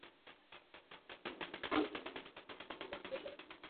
শুধু নামে মিল থাকার জন্যই এমন বিভ্রান্তি।